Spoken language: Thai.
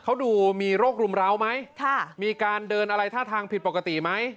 เขาดูมีโรครุมร้าวไหมมีการเดินอะไรท่าทางผิดปกติไหม